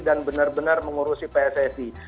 dan benar benar mengurusi pssi